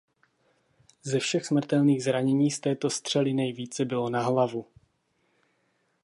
Ze všech smrtelných zranění z této střely nejvíce bylo na hlavu.